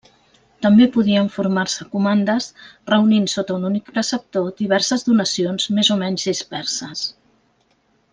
També podien formar-se comandes reunint sota un únic preceptor diverses donacions més o menys disperses.